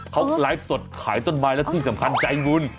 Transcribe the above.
เขาไลฟ์สดขายต้นไม้และที่สำคัญใจบุญ